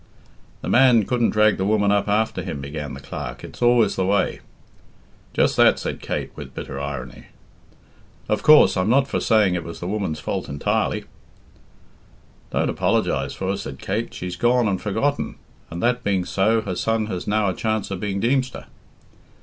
"The man couldn't drag the woman up after him," began the clerk. "It's always the way " "Just that," said Kate, with bitter irony. "Of coorse, I'm not for saying it was the woman's fault entirely " "Don't apologise for her," said Kate. "She's gone and forgotten, and that being so, her son has now a chance of being Deemster."